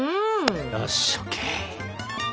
よしＯＫ。